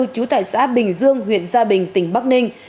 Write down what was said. trú tại xã bình dương huyện gia bình tỉnh bắc ninh